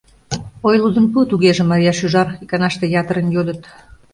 — Ой, лудын пу тугеже, Марья шӱжар! — иканаште ятырын йодыт.